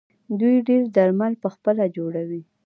دوی ډیری درمل پخپله جوړوي.